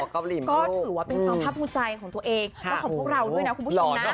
ก็ถือว่าเป็นความภาพภูมิใจของตัวเองและของพวกเราด้วยนะคุณผู้ชมนะ